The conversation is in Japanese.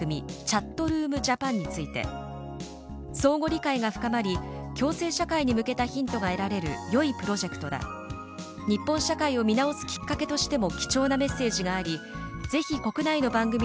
チャットルームジャパンについて、相互理解が深まり共生社会に向けたヒントが得られるよいプロジェクトだ日本社会を見直すきっかけとしても貴重なメッセージがありぜひ国内の番組でも